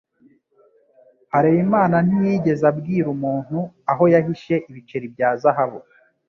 Harerimana ntiyigeze abwira umuntu aho yahishe ibiceri bya zahabu.